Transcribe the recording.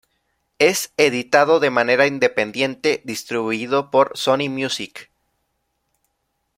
Es editado de manera independiente, distribuido por Sony Music.